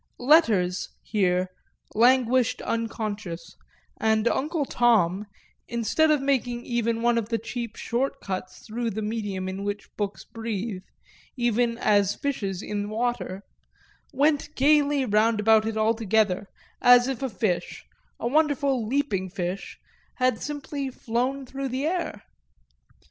Letters, here, languished unconscious, and Uncle Tom, instead of making even one of the cheap short cuts through the medium in which books breathe, even as fishes in water, went gaily roundabout it altogether, as if a fish, a wonderful "leaping" fish, had simply flown through the air.